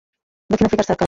দক্ষিণ আফ্রিকার সার্কাস।